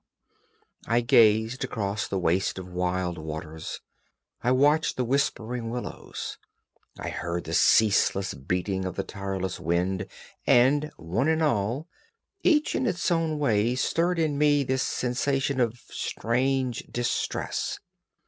I gazed across the waste of wild waters; I watched the whispering willows; I heard the ceaseless beating of the tireless wind; and, one and all, each in its own way, stirred in me this sensation of a strange distress.